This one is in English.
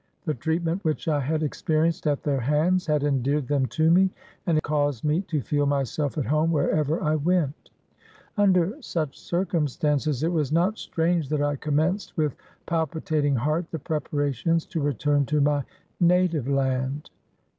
The treatment which I had ex perienced at their hands had endeared them to me, and caused me to feel myself at home wherever I went. Under such circumstances, it was not strange that I commenced with palpitating heart the preparations to return to my native land.